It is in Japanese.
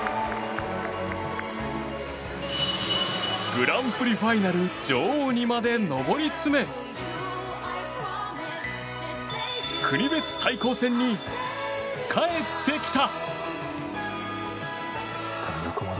グランプリファイナル女王にまで上り詰め国別対抗戦に帰ってきた。